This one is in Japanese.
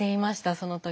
その時。